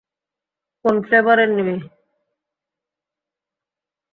কোন ফ্লেভারের নিবি?